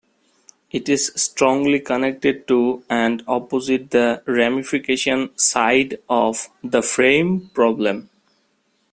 It is strongly connected to, and opposite the ramification side of, the frame problem.